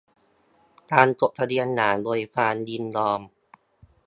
การจดทะเบียนหย่าโดยความยินยอม